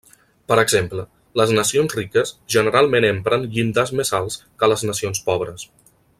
Per exemple, les nacions riques generalment empren llindars més alts que les nacions pobres.